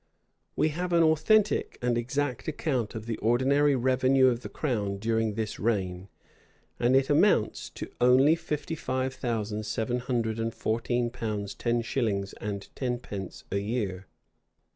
We have an authentic and exact account of the ordinary revenue of the crown during this reign; and it amounts only to fifty five thousand seven hundred and fourteen pounds ten shillings and tenpence a year.